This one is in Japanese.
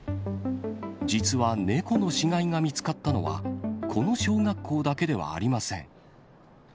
実は猫の死骸が見つかったのは、この小学校だけではありません。